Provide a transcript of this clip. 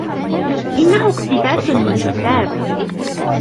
إنهُ إقتباس من كتاب.